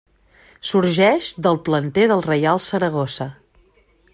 Sorgeix del planter del Reial Saragossa.